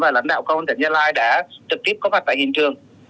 và lãnh đạo công an tỉnh gia lai đã trực tiếp có mặt tại hiện trường